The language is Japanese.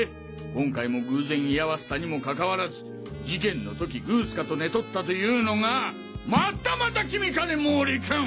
今回も偶然居合わせたにもかかわらず事件の時ぐすかと寝とったというのがまったまた君かね毛利君！